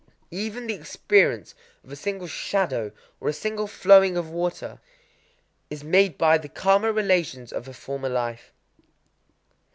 _ Even [the experience of] a single shadow or a single flowing of water, is [made by] the karma relations of a former life.